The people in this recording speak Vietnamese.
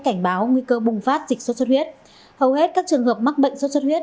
cảnh báo nguy cơ bùng phát dịch xuất xuất huyết hầu hết các trường hợp mắc bệnh sốt xuất huyết